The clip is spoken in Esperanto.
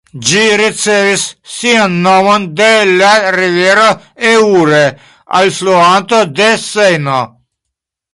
Ĝi ricevis sian nomon de la rivero Eure, alfluanto de Sejno.